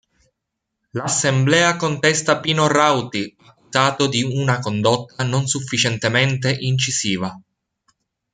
L'assemblea contesta Pino Rauti, accusato di una condotta non sufficientemente incisiva.